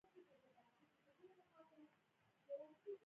د هغوی د وجي نه د اوبو دا لوی بند په دوی باندي